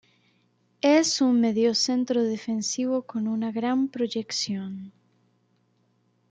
Es un mediocentro defensivo con una gran proyección.